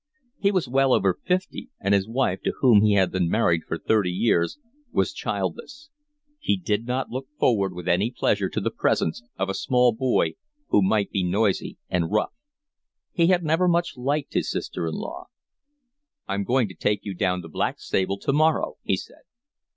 He was well over fifty, and his wife, to whom he had been married for thirty years, was childless; he did not look forward with any pleasure to the presence of a small boy who might be noisy and rough. He had never much liked his sister in law. "I'm going to take you down to Blackstable tomorrow," he said.